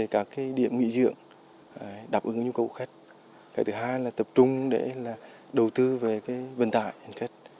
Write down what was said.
cái thứ hai là tập trung để đầu tư về vận tải